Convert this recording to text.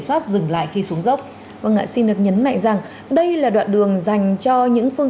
soát dừng lại khi xuống dốc vâng ạ xin được nhấn mạnh rằng đây là đoạn đường dành cho những phương